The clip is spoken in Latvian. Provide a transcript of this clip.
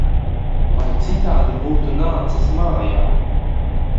Vai citādi būtu nācis mājā!